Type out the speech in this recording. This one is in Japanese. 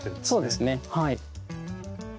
そうですねはい。